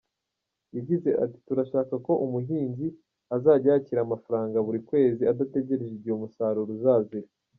Yagize ati “Turashaka uko umuhinzi azajya yakira amafaranga buri kwezi adategereje igihe umusaruro uzazira.